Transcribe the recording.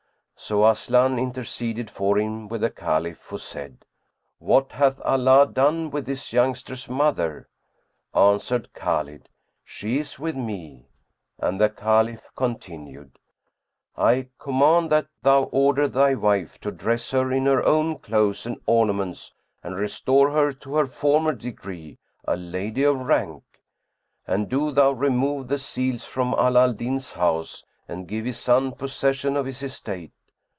So Aslan interceded for him with the Caliph, who said, "What hath Allah done with this youngster's mother?" Answered Khбlid, "She is with me," and the Caliph continued, "I command that thou order thy wife to dress her in her own clothes and ornaments and restore her to her former degree, a lady of rank; and do thou remove the seals from Ala al Din's house and give his son possession of his estate."